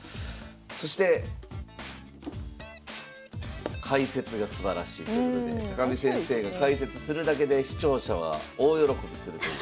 そして解説がすばらしいということで見先生が解説するだけで視聴者は大喜びするという。